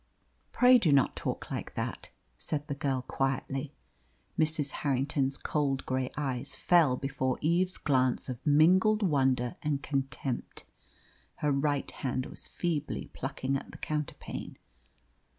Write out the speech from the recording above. "Pray do not talk like that," said the girl quietly. Mrs. Harrington's cold grey eyes fell before Eve's glance of mingled wonder and contempt; her right hand was feebly plucking at the counterpane.